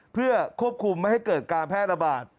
เพื่อควบคุมไม่ให้เกิดการแพร่ระบาด